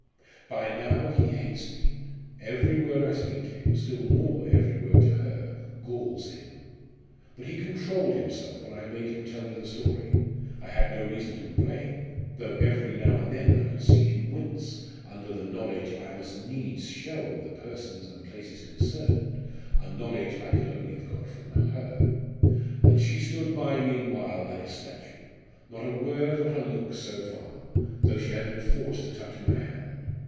"By now he hates me; every word I speak to him still more every word to her galls him. But he controlled himself when I made him tell me the story I had no reason to complain though every now and then I could see him wince under the knowledge I must needs show of the persons and places concerned a knowledge I could only have got from her. And she stood by meanwhile like a statue. Not a word, not a look, so far, though she had been forced to touch my hand.